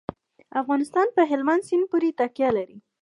افغانستان په هلمند سیند باندې تکیه لري.